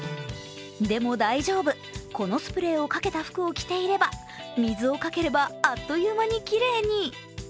でも大丈夫、このスプレーをかけた服を着ていれば水をかければ、あっという間にきれいに。